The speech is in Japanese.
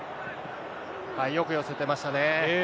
よく寄せてましたね。